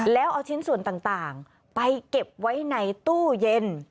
แล้วเอาชิ้นส่วนต่างไปเก็บไว้ในตู้เย็น